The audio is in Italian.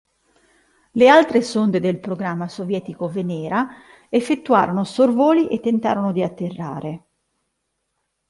Le altre sonde del programma sovietico Venera effettuarono sorvoli e tentarono di atterrare.